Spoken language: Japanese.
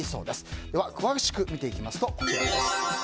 では、詳しく見ていきます。